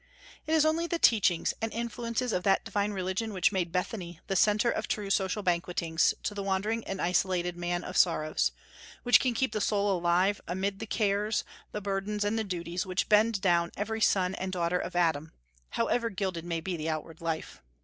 It is only the teachings and influences of that divine religion which made Bethany the centre of true social banquetings to the wandering and isolated Man of Sorrows, which can keep the soul alive amid the cares, the burdens, and the duties which bend down every son and daughter of Adam, however gilded may be the outward life.